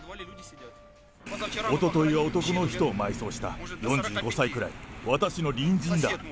おとといは男の人を埋葬した、４５歳くらい、私の隣人だ。